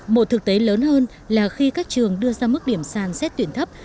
một thực tế lớn hơn là khi các trường đưa ra mức điểm sàn xét tuyển thấp